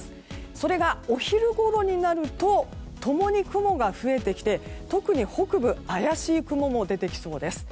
それが、お昼ごろになると共に雲が増えてきて特に北部怪しい雲も出てきそうです。